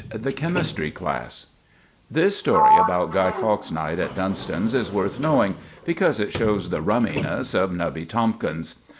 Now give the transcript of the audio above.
The Chemistry Class This story about Guy Fawkes's Night at Dunston's is worth knowing, because it shows the rumminess of Nubby Tomkins.